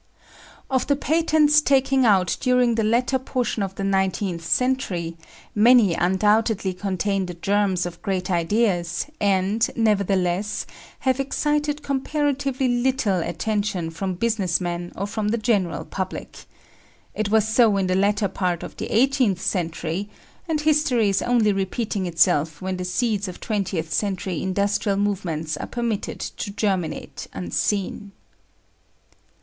Of the patents taken out during the latter portion of the nineteenth century, many undoubtedly contain the germs of great ideas, and, nevertheless, have excited comparatively little attention from business men or from the general public. It was so in the latter part of the eighteenth century, and history is only repeating itself when the seeds of twentieth century industrial movements are permitted to germinate unseen.